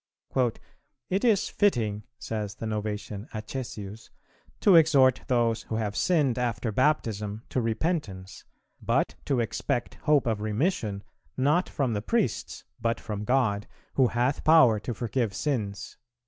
"It is fitting," says the Novatian Acesius, "to exhort those who have sinned after Baptism to repentance, but to expect hope of remission, not from the priests, but from God, who hath power to forgive sins."